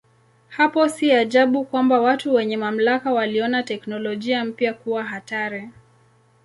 Hapo si ajabu kwamba watu wenye mamlaka waliona teknolojia mpya kuwa hatari.